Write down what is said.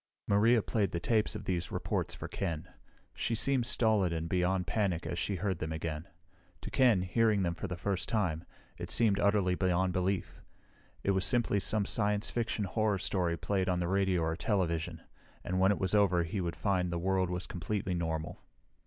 Maria played the tapes of these reports for Ken. She seemed stolid and beyond panic as she heard them again. To Ken, hearing them for the first time, it seemed utterly beyond belief. It was simply some science fiction horror story played on the radio or television, and when it was over he would find the world was completely normal.